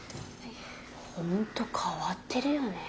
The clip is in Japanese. ホント変わってるよね